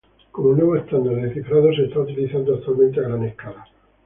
Como nuevo estándar de cifrado, se está utilizando actualmente a gran escala.